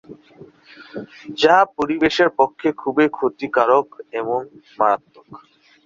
যা পরিবেশের পক্ষে খুবই ক্ষতিকর এবং মারাত্মক।